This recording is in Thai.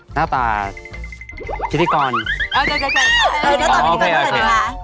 หน้าตาพิธีกรเต้นกันค่ะ